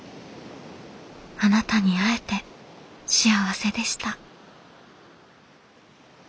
あなたに会えて幸せでした」。